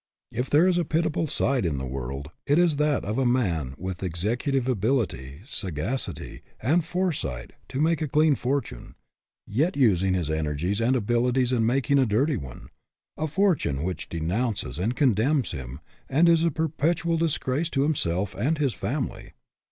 If there is a pitiable sight in the world, it is that of a man with the executive ability, saga city, and foresight, to make a clean fortune, yet using his energies and abilities in making a dirty one a fortune which denounces and condemns him, and is a perpetual disgrace to himself and his family.